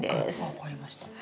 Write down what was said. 分かりました。